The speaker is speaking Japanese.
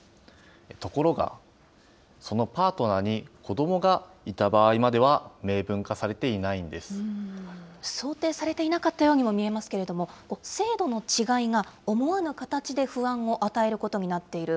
ところが、そのパートナーに子どもがいた場合までは明文化されて想定されていなかったようにも見えますけれども、制度の違いが思わぬ形で不安を与えることになっている。